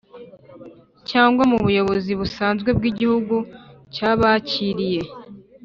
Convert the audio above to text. cyangwa mu buyobozi busanzwe bw'igihugu cyabakiriye.